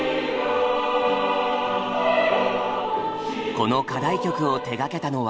この課題曲を手がけたのは。